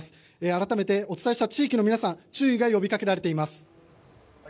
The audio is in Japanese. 改めてお伝えした地域の皆さん注意が呼びかけられています。